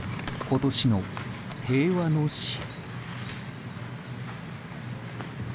今年の平和の詩。